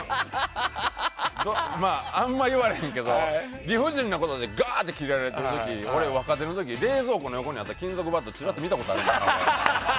あんまり言われへんけど理不尽なことでガーってキレられてる俺、若手の時冷蔵庫の横にあった金属バットちらっと見たことありますから。